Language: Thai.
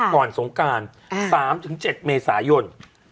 ก่อนสงการ๓๗เมษายน